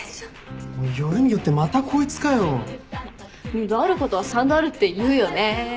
二度あることは三度あるっていうよね。